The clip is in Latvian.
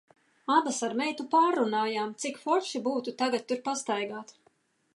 Abas ar meitu pārrunājām, cik forši būtu tagad tur pastaigāt.